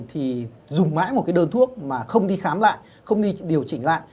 thì dùng mãi một cái đơn thuốc mà không đi khám lại không đi điều chỉnh lại